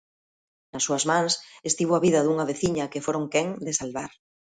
Nas súas mans estivo a vida dunha veciña que foron quen de salvar.